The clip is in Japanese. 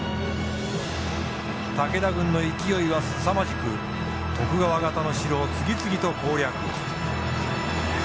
武田軍の勢いはすさまじく徳川方の城を次々と攻略。